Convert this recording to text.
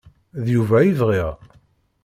D Yuba i bɣiɣ.